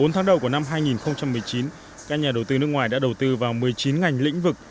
bốn tháng đầu của năm hai nghìn một mươi chín các nhà đầu tư nước ngoài đã đầu tư vào một mươi chín ngành lĩnh vực